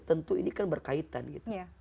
tentu ini kan berkaitan gitu